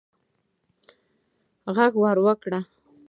ږغ ور وکړه